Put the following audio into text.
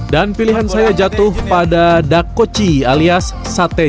dan pilihan saya jatuh pada dakochi alias sateji